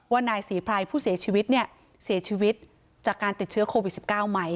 ว่านายศรีพรายผู้เสียชีวิตเนี่ยเสียชีวิตจากการติดเชื้อโควิดสิบเก้าไหม